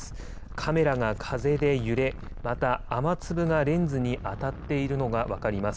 カメラが風で揺れ、また雨粒がレンズに当たっているのが分かります。